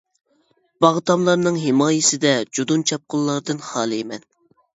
باغ تاملىرىنىڭ ھىمايىسىدە جۇدۇن چاپقۇنلاردىن خالىيمەن.